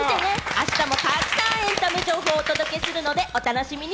あしたもたくさんエンタメ情報をお届けするので、お楽しみに。